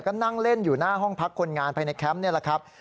ก็นั่งเล่นอยู่หน้าห้องพักคนงานภายในแคมป์นี่แหละครับ